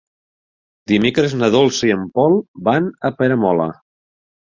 Dimecres na Dolça i en Pol van a Peramola.